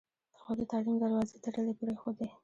هغوی د تعلیم دروازې تړلې پرېښودې.